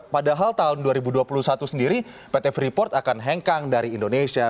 padahal tahun dua ribu dua puluh satu sendiri pt freeport akan hengkang dari indonesia